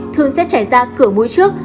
thường sẽ chảy ra cửa mũi trước